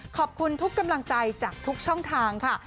ขอบคุณทุกกำลังใจจากทุกช่องทางค่ะ